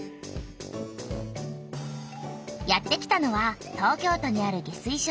やってきたのは東京都にある下水しょ